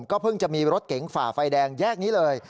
เพิ่งจะมีรถเก๋งฝ่าไฟแดงแยกนี้เลย